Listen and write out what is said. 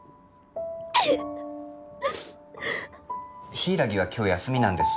柊は今日休みなんです。